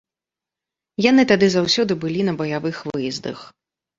Яны тады заўсёды былі на баявых выездах.